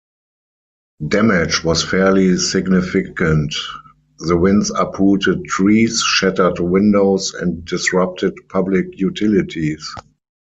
Damage was fairly significant; the winds uprooted trees, shattered windows, and disrupted public utilities.